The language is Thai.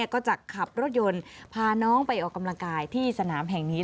ก็จะขับรถยนต์พาน้องไปออกกำลังกายที่สนามแห่งนี้